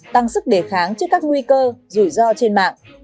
tăng sức đề kháng trước các nguy cơ rủi ro trên mạng